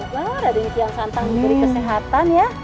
semoga raden kian santang menjadi kesehatan ya